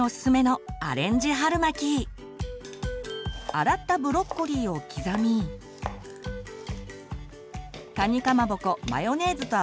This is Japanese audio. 洗ったブロッコリーを刻みかにかまぼこマヨネーズとあわせます。